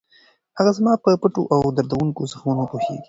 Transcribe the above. هغه زما په پټو او دردوونکو زخمونو پوهېږي.